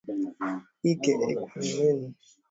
Ike Ekweremadu alikuwa amealikwa na chuo kikuu cha Lincolin